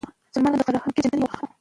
سلیمان غر د فرهنګي پیژندنې یوه برخه ده.